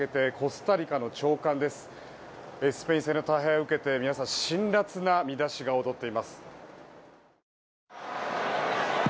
スペイン戦の大敗を受けて辛辣な見出しが躍っています。